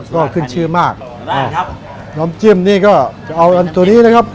ก็ขึ้นชื่อมากหนามจิ้มนี่ก็จะเอาอันตรีนี้นะครับ